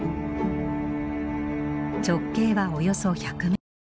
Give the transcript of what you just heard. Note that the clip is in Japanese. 直径はおよそ１００ｍ。